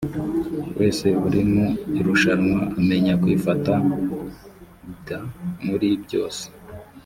wese uri mu irushanwa amenya kwifata d muri byose